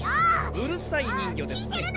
うるさい人魚ですね